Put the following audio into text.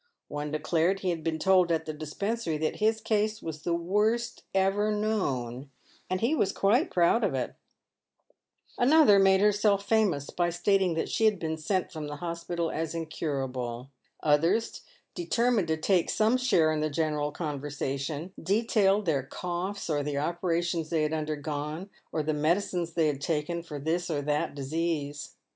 One declared he had been told at the dispensary that his case was the worst ever known, and he was quite proud of it. Another made herself famous by stating that she had been sent from the hospital as incurable. Others, determined to take some share in the general conversation, detailed their coughs, or the operations they had undergone, or the medicines they had taken for this or that disease.